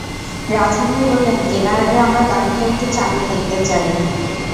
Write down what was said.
রাজু ভাই বললেন, কেনার আগে আমরা গাড়িটা একটু চালিয়ে দেখতে চাই।